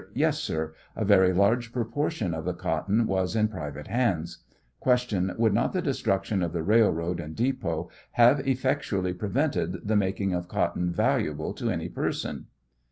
Tes, sir; a very large proportion of the cotton was in private hands. Q. Would not the destruction of the railroad and depot have effectually prevented the making of cotton valu?tble to any person